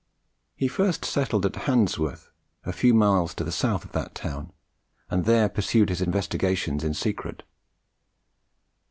He first settled at Handsworth, a few miles to the south of that town, and there pursued his investigations in secret.